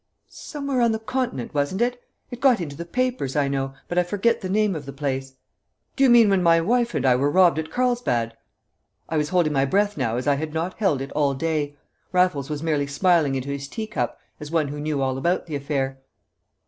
"Somewhere on the Continent, wasn't it? It got into the newspapers, I know, but I forget the name of the place." "Do you mean when my wife and I were robbed at Carlsbad?" I was holding my breath now as I had not held it all day. Raffles was merely smiling into his teacup as one who knew all about the affair.